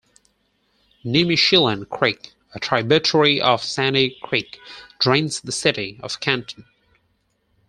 Nimishillen Creek, a tributary of Sandy Creek, drains the city of Canton.